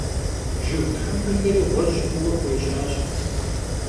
Jjıg thempexeri ğuej xhuue xuêjaş.